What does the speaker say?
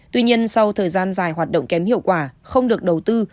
tuy nhiên sau thời gian dài hoạt động kém hiệu quả không được đầu tư